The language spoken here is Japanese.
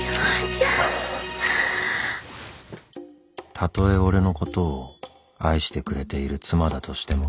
たとえ俺のことを愛してくれている妻だとしても。